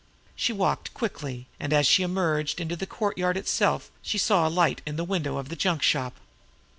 She walked quickly, and as she emerged into the courtyard itself she saw a light in the window of the junk shop.